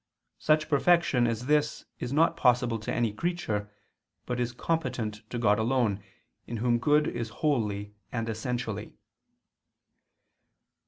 Such perfection as this is not possible to any creature, but is competent to God alone, in Whom good is wholly and essentially.